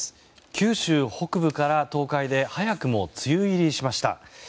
九州北部から東海で早くも梅雨入りしました。